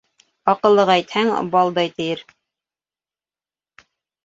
Аҡыллыға әйтһәң, «балдай» тиер.